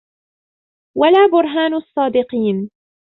وَلَا بُرْهَانُ الصَّادِقِينَ